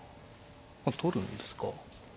まあ取るんですか。